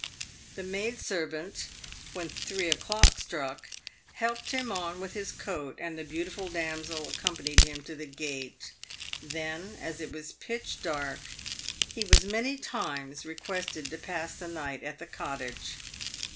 The maid servant, when three o'clock struck, helped him on with his coat, and the beautiful damsel accom panied him to the gate. Then, as it was pitch dark, he was many times requested to pass the night at the cottage.